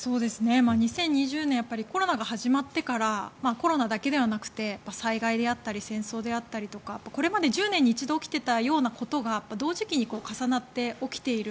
２０２０年コロナが始まってからコロナだけではなくて災害であったり戦争であったりとかこれまで１０年に一度起きていたようなことが同時期に重なって起きている。